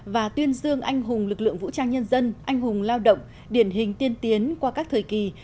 và tuyên dương anh hùng lực lượng vũ trang nhân dân anh hùng lao động điển hình tiên tiến qua các thời kỳ